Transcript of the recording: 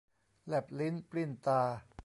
แลบลิ้นปลิ้นตา